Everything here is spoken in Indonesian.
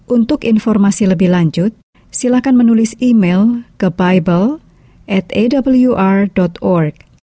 untuk informasi lebih lanjut silahkan menulis email ke bible atawr org